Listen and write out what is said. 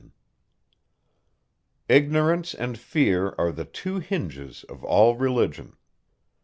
Ignorance and fear are the two hinges of all religion.